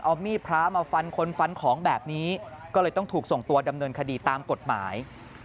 เอามีดพระมาฟันคนฟันของแบบนี้ก็เลยต้องถูกส่งตัวดำเนินคดีตามกฎหมาย